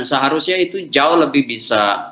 seharusnya itu jauh lebih bisa